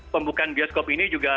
pembukaan bioskop ini juga